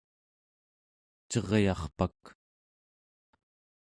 ceryarpak